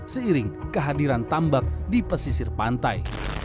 seiring kehadiran tambak di pesisir pantai